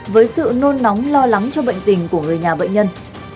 với sự nôn nóng lo lắng cho bệnh tình của người nhà bệnh nhân